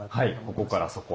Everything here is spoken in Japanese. ここからそこ。